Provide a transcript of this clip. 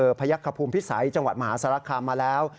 อำเภอพระยักษ์ขภูมิภิสัยจังหวัดมหาศาลักษณ์มาแล้ว